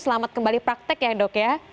selamat kembali praktek ya dok ya